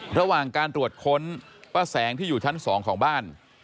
ระหว่างการตรวจค้นป้าแสงที่อยู่ชั้น๒ของบ้าน